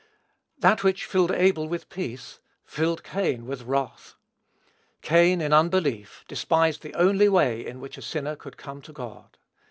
That which filled Abel with peace, filled Cain with wrath. Cain, in unbelief, despised the only way in which a sinner could come to God.